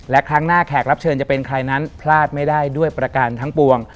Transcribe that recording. และครั้งหน้าแขกรับเชิญจะเป็นใครนั้นพลาดไม่ได้ด้วยประการทั้งปวง